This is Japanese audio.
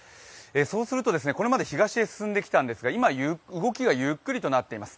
そうするとこれまで東に進んできたんですが今動きがゆっくりとなっています。